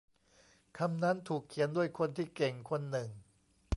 คำนั้นถูกเขียนด้วยคนที่เก่งคนหนึ่ง